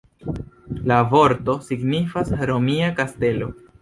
La vorto signifas "romia kastelo".